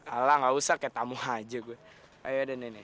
alah gak usah kayak tamu aja gue ayo ada nih nih